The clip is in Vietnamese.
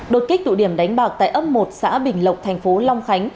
đột kích tụ điểm đánh bạc tại ấp một xã bình lộc thành phố long khánh